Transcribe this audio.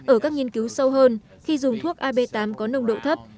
ở các nghiên cứu sâu hơn khi dùng thuốc ab tám có nồng độ thấp